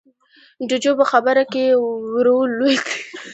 جُوجُو په خبره کې ورولوېد: